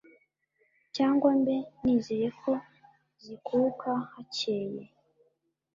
cyangwa mbe nizeye ko zikuka hakeye?